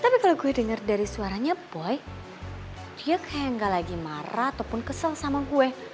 tapi kalau gue denger dari suaranya boy dia kayak gak lagi marah ataupun kesel sama gue